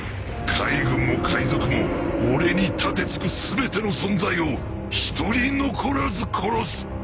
海軍も海賊も俺に盾突く全ての存在を一人残らず殺す！